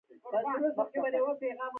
دا د انساني کرامت ښکاره لازمه ده.